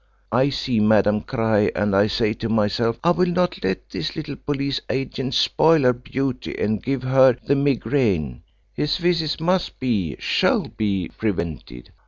I see Madame cry, and I say to myself I will not let this little police agent spoil her beauty and give her the migraine: his visits must be, shall be, prevented.